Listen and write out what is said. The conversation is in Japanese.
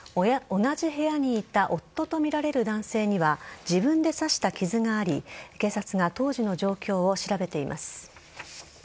同じ部屋にいた夫とみられる男性には自分で刺した傷があり警察が当時の状況を調べています。